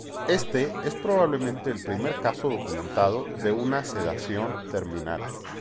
Este es probablemente el primer caso documentado de una sedación terminal.